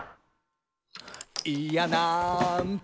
「いやなんと」